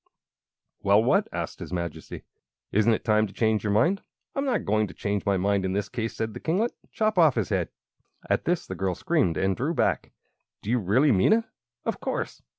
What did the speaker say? "Well, what?" asked his Majesty. "Isn't it time to change your mind?" "I'm not going to change my mind in this case," said the kinglet. "Chop off his head!" At this the girl screamed and drew back. "Do you really mean it?" "Of course."